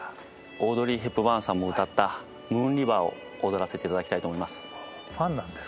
オードリー・ヘップバーンさんも歌った『ＭｏｏｎＲｉｖｅｒ』を踊らせていただきたいと思います。